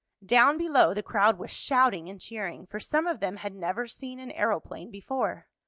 Down below the crowd was shouting and cheering, for some of them had never seen an aeroplane before.